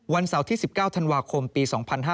วันเสาร์๑๙ธันวาคมปี๒๕๕๘